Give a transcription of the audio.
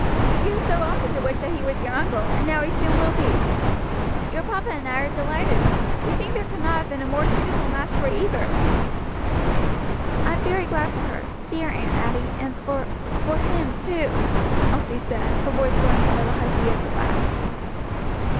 You used so often to wish that he was your uncle, and now he soon will be. Your papa and I are delighted; we think there could not have been a more suitable match for either." "I am very glad for her dear Aunt Adie and for for him too," Elsie said, her voice growing a little husky at the last.